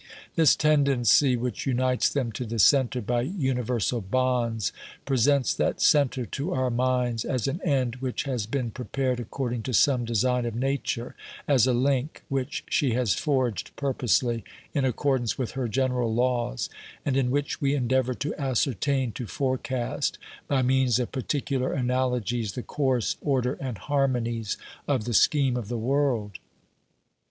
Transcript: This tendency, which unites them to the centre by universal bonds, pre sents that centre to our minds as an end which has been prepared according to some design of Nature, as a link which she has forged purposely, in accordance with her general laws, and in which we endeavour to ascertain, to forecast, by means of particular analogies, the course, order and harmonies of the scheme of the world.